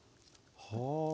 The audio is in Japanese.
はあ。